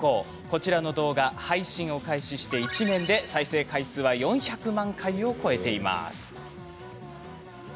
こちらの動画配信を開始して１年で再生回数は４００万回を超えています。